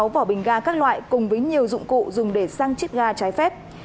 bốn mươi sáu vỏ bình ga các loại cùng với nhiều dụng cụ dùng để xăng chít ga trái phép